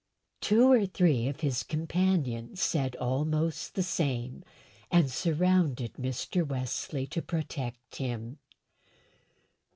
Two or three of his companions said almost the same, and surrounded Mr. Wesley to protect him.